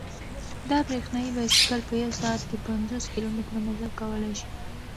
دا برېښنايي بایسکل په یوه ساعت کې پنځوس کیلومتره مزل کولای شي.